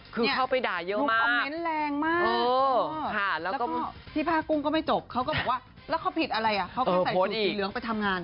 คือเข้าไปด่าเยอะคือคอมเมนต์แรงมากแล้วก็พี่ผ้ากุ้งก็ไม่จบเขาก็บอกว่าแล้วเขาผิดอะไรอ่ะเขาก็ใส่ชุดสีเหลืองไปทำงาน